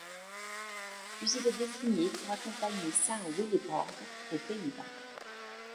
Puis il est désigné pour accompagner saint Willibrord aux Pays-Bas.